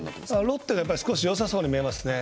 ロッテは少しよさそうに見えますね。